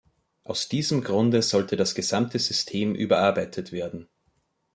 Aus diesem Grunde sollte das gesamte System überarbeitet werden.